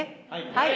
はい。